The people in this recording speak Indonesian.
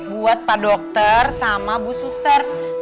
buat pak dokter sama bu suster